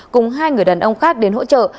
cùng hai người đàn ông khác đến hỗ trợ